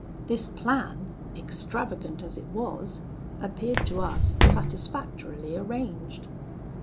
"This plan, extravagant as it was, appeared to us satisfactorily arranged.